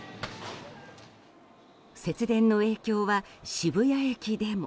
節電の影響は渋谷駅でも。